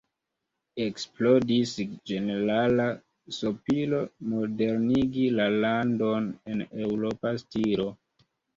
Eksplodis ĝenerala sopiro modernigi la landon en eŭropa stilo.